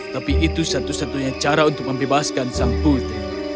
tapi itu satu satunya cara untuk membebaskan sang putri